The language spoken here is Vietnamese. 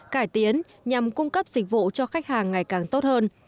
cải tiến nhằm cung cấp dịch vụ cho khách hàng ngày càng tốt hơn